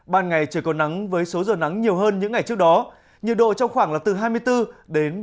ban ngày trời còn nắng với số giờ nắng nhiều hơn những ngày trước đó nhiệt độ trong khoảng là từ hai mươi bốn đến ba mươi bốn độ